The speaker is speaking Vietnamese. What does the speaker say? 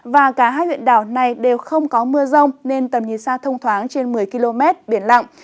và cả hai huyện đảo này đều không có mưa rông nên tầm nhìn xa thông thoáng trên một mươi km biển lặng